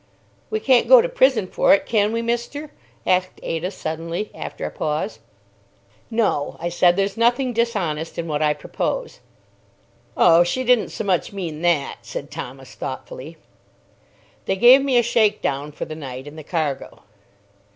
"We can't go to prison for it, can we, mister?" asked Ada suddenly, after a pause. "No," I said; "there's nothing dishonest in what I propose." "Oh, she didn't so much mean that," said Thomas, thoughtfully. They gave me a shakedown for the night in the cargo.